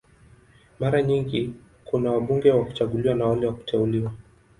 Mara nyingi kuna wabunge wa kuchaguliwa na wale wa kuteuliwa.